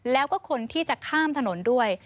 แล้วก็คนที่จะข้ามถนนด้วย